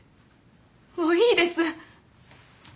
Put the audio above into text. もういいです。